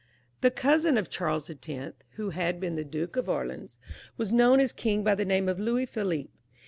The cousin of Charles X., who had been Duke of Orleans, was known as king by the name of Louis Philippe.